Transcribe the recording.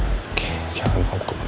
oke jangan gugup